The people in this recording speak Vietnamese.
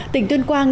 tỉnh tuyên quang